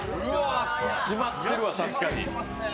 締まってるわ、確かに。